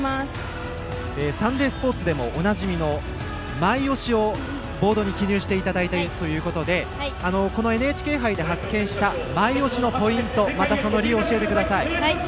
「サンデースポーツ」でもおなじみのｍｙ推しをボードに記入していただいているということでこのＮＨＫ杯で発見したｍｙ推しのポイントまたその理由を教えてください。